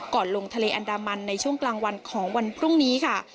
ลงทะเลอันดามันในช่วงกลางวันของวันพรุ่งนี้ค่ะ